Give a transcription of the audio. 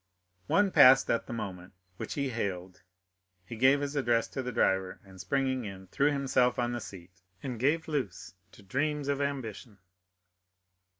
One passed at the moment, which he hailed; he gave his address to the driver, and springing in, threw himself on the seat, and gave loose to dreams of ambition.